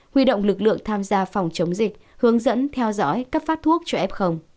huy động lực lượng tham gia phòng chống dịch hướng dẫn theo dõi cấp phát thuốc cho f